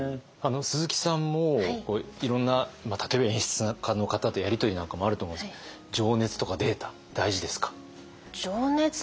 鈴木さんもいろんな例えば演出家の方とやり取りなんかもあると思うんですけど情熱とかデータ大事ですか？